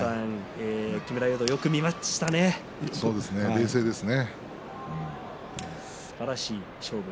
冷静ですね。